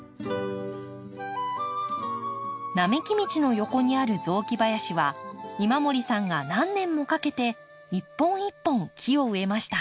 並木道の横にある雑木林は今森さんが何年もかけて一本一本木を植えました。